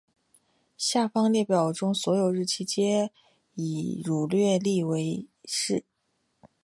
下方列表中所有日期皆以儒略历表示。